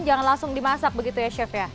jangan langsung dimasak begitu ya chef ya